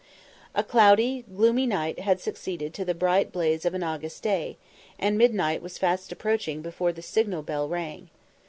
A cloudy, gloomy night had succeeded to the bright blaze of an August day, and midnight was fast approaching before the signal bell rang.